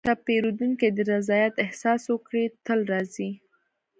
که پیرودونکی د رضایت احساس وکړي، تل راځي.